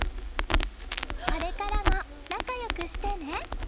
これからも仲良くしてね。